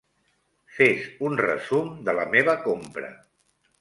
Fes un resum de la meva compra.